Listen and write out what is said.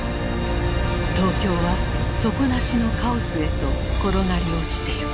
東京は底なしのカオスへと転がり落ちていく。